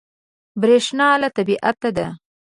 برېښنا له طبیعت ده.